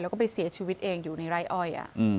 แล้วก็ไปเสียชีวิตเองอยู่ในไร่อ้อย